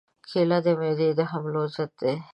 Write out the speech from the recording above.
کېله د معدې د حملو ضد ده.